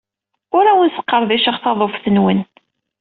Ur awen-sqerdiceɣ taḍuft-nwen.